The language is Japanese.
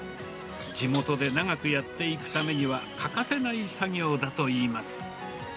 地元で長くやっていくためには、欠かせない作業だといいます。